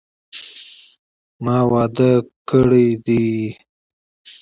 ما واده کړی دي